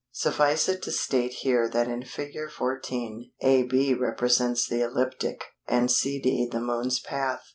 Suffice it to state here that in Fig. 14 AB represents the ecliptic, and CD the Moon's path.